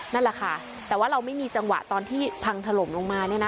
นั่นแหละค่ะแต่ว่าเราไม่มีจังหวะตอนที่พังถล่มลงมาเนี่ยนะ